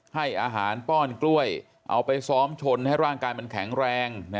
ให้อาหารป้อนกล้วยเอาไปซ้อมชนให้ร่างกายมันแข็งแรง